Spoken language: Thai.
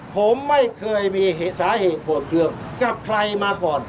ผมไม่เคยมีสาเหตุโกรธเครื่องกับใครมาก่อน